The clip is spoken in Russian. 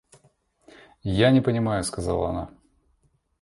Я не понимаю, — сказала она.